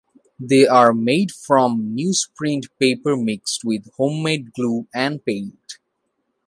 They are made from newsprint paper mixed with homemade glue and paint.